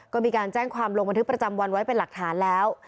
ก็มีการแจ้งความลงบันทึกประจำวันไว้เป็นหลักฐานแล้ว